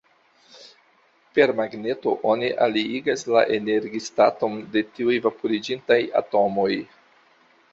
Per magneto oni aliigas la energistaton de tiuj vaporiĝintaj atomoj.